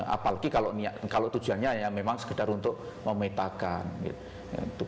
apalagi kalau tujuannya ya memang sekedar untuk memetakan gitu